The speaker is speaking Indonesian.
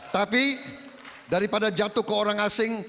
tapi daripada jatuh ke orang asing